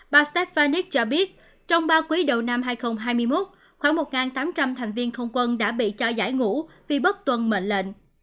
bà start fanis cho biết trong ba quý đầu năm hai nghìn hai mươi một khoảng một tám trăm linh thành viên không quân đã bị cho giải ngũ vì bất tuân mệnh lệnh